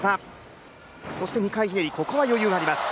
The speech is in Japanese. そして２回ひねり、ここは余裕があります。